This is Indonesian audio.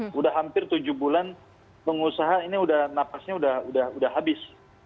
sudah hampir tujuh bulan pengusaha ini udah napasnya sudah habis